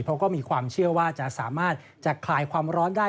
เพราะก็มีความเชื่อว่าจะสามารถจะคลายความร้อนได้